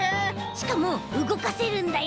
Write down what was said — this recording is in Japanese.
しかもうごかせるんだよ。